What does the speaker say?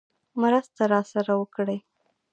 مرسته راسره وکړي.